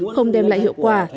không đem lại hiệu quả